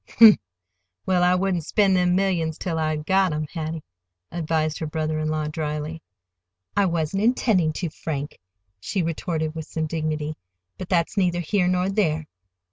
"Humph! Well, I wouldn't spend them millions—till I'd got 'em, Hattie," advised her brother in law dryly. "I wasn't intending to, Frank," she retorted with some dignity. "But that's neither here nor there.